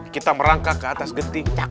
kita merangkak ke atas detik